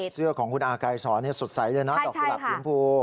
เสื้อของคุณอาไกรสอนสดใสเลยนะต่อผู้หลักเทียงพู